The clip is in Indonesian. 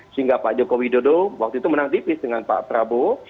sehingga pak joko widodo waktu itu menang tipis dengan pak prabowo